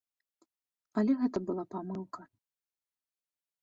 Але гэта была памылка.